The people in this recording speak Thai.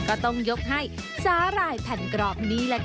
ก็ต้องยกให้สาหร่ายแผ่นกรอบนี้แหละค่ะ